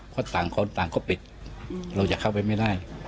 เพราะต่างคนต่างก็ปิดเราอย่าเข้าไปไม่ได้